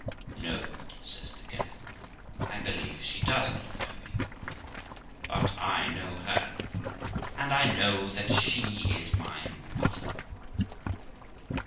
'No', says the girl, 'I believe she does not know me, but I know her ; and I know that she is my mother.'